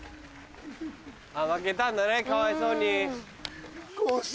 負けたんだねかわいそうに。